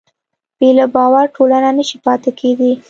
بې له باور ټولنه نهشي پاتې کېدی.